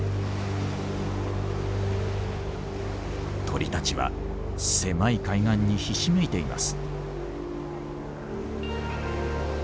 鳥たちは狭い海岸にひしめいています。